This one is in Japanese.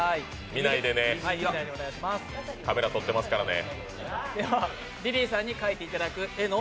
見ないでね、カメラ撮ってますからね。